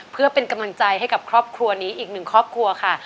เพื่อเป็นกำลังใจให้กับครอบครัวนี้อีกหนึ่งครอบครัวค่ะ